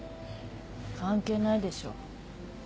関係ないでしょ。